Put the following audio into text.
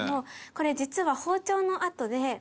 これ実は包丁の跡で。